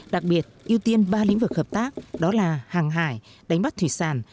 đặc biệt ưu tiên ba lĩnh vực hợp tác đó là hàng hải đánh bắt thủy sản